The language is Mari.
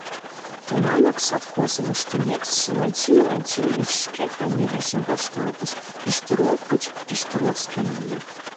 Тунамак, совхозым ыштымек, Силантий Мелантьевич шке фамилийжымат вашталтыш: Пиштеров гыч Пиштеровский лие.